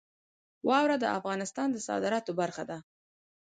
واوره د افغانستان د صادراتو برخه ده.